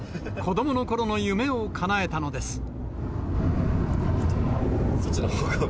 子どものころの夢をかなえたのです。